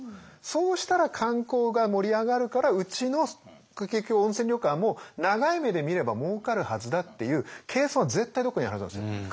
そうしたら観光が盛り上がるからうちの結局温泉旅館も長い目で見ればもうかるはずだっていう計算は絶対どこかにあるはずなんですよ。